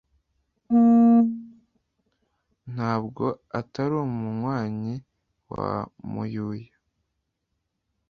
ntabwo atali umumwanyi wa mayuya